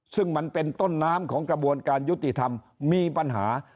ซึ่งมันเป็นต้นน้ำของกระบวนการยุติธรรมมีปัญหา